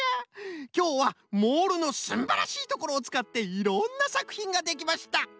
きょうはモールのすんばらしいところをつかっていろんなさくひんができました。